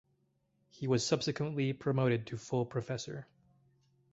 He was subsequently promoted to full professor.